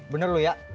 bener lu ya